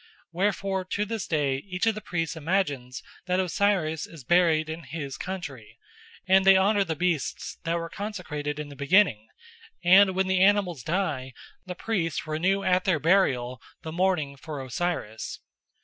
Wherefore to this day each of the priests imagines that Osiris is buried in his country, and they honour the beasts that were consecrated in the beginning, and when the animals die the priests renew at their burial the mourning for Osiris.